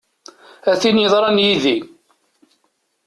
A tin yeḍran yid-i!